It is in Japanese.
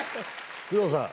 工藤さん